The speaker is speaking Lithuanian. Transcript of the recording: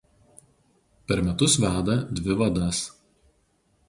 Per metus veda dvi vadas.